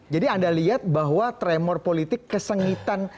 jadi anda lihat bahwa tremor politik kesengitan